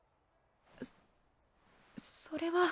そそれは。